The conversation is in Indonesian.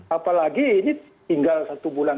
apalagi ini tinggal satu bulan